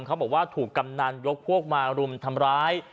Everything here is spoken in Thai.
เขาบอกว่าถูกกำนันยกพวกมารุมทำร้าย